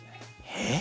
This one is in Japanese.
えっ？